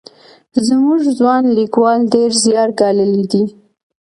زموږ ځوان لیکوال ډېر زیار ګاللی دی.